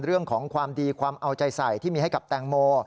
เรื่องของความดีความเอาใจใส่ที่มีให้กับแตงโม